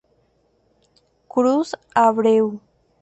Cruz Abreu